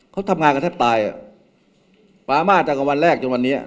เขาทำงานกันแทบตายอ่ะปามาตั้งแต่วันแรกจนวันนี้